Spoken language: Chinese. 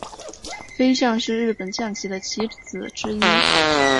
飞将是日本将棋的棋子之一。